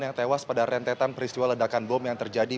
yang tewas pada rentetan peristiwa ledakan bom yang terjadi